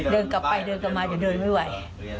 เดินกลับไปเดินกลับมาจะเดินไม่ไหว